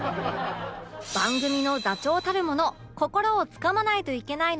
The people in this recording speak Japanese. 番組の座長たるもの心をつかまないといけないのは